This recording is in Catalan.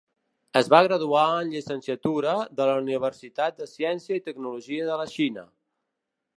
Es va graduar en llicenciatura de la Universitat de Ciència i Tecnologia de la Xina.